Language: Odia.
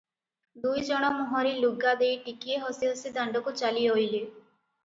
ଦୁଇ ଜଣ ମୁହଁରେ ଲୁଗା ଦେଇ ଟିକିଏ ହସି ହସି ଦାଣ୍ଡକୁ ଚାଲି ଅଇଲେ ।